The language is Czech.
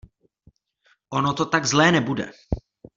Ono to tak zlé nebude.